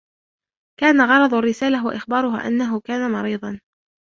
كان غرض الرسالة هو إخبارها أنه كان مريضا.